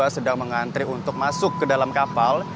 sedang mengantri untuk masuk ke dalam kapal